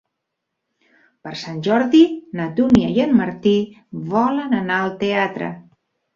Per Sant Jordi na Dúnia i en Martí volen anar al teatre.